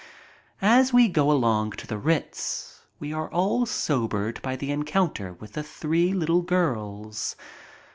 As we go along to the Ritz we are all sobered by the encounter with the three little girls.